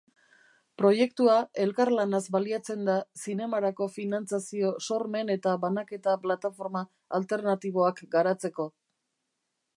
Proiektua elkarlanaz baliatzen da zinemarako finantzazio, sormen eta banaketa plataforma alternatiboak garatzeko.